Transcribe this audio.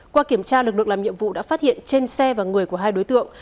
qua kiểm tra lực lượng làm nhiệm vụ đã phát hiện trên xe và người của hai đối tượng